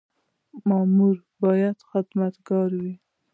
مامور باید خدمتګار وي